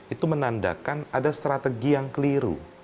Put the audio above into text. itu menandakan ada strategi yang keliru